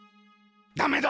ダメだ。